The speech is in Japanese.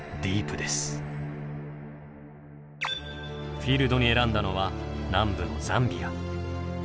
フィールドに選んだのは南部のザンビア。